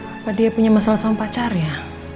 apa dia punya masalah sama pacarnya